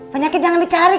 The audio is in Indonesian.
penyakit jangan dicari